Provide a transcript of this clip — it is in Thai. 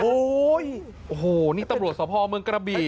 โอ้โหนี่ตำรวจสภเมืองกระบี่